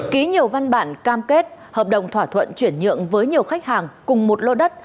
ký nhiều văn bản cam kết hợp đồng thỏa thuận chuyển nhượng với nhiều khách hàng cùng một lô đất